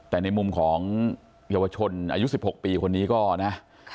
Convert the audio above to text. แต่ในมุมของเยาวชนอายุ๑๖ปีคนนี้ก็นะ